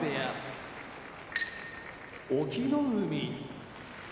隠岐の海